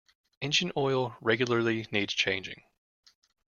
Engine oil regularly needs changing.